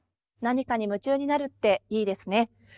何かに夢中になるっていいですね。